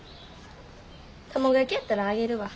卵焼きやったらあげるわ。